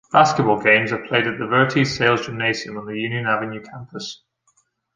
Basketball games are played at the Verties Sails Gymnasium on the Union Avenue Campus.